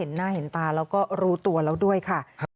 และก็รู้ตัวแล้วด้วยค่ะ